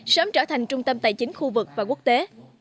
sớm trở thành trung tâm tài chính khu vực và quốc tế